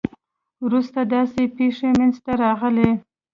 وروسته داسې پېښې منځته راغلې.